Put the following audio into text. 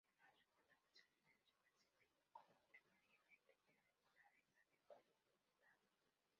En otras palabras, el dinero es percibido como primariamente una unidad de cuenta.